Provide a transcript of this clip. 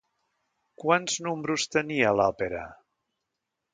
Quants números tenia l'òpera?